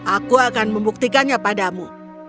aku akan membuktikannya padamu